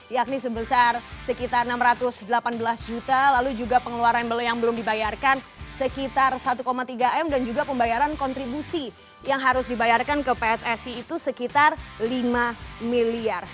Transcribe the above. yakni sebesar sekitar enam ratus delapan belas juta lalu juga pengeluaran yang belum dibayarkan sekitar satu tiga m dan juga pembayaran kontribusi yang harus dibayarkan ke pssi itu sekitar lima miliar